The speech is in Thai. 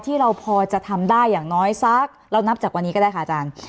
ที่เราพอจะทำได้อย่างน้อยสักเรานับจากวันนี้ก็ได้ค่ะอาจารย์